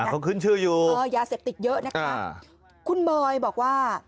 เขาขึ้นชื่ออยู่เออยาเสพติดเยอะนะคะคุณบอยบอกว่า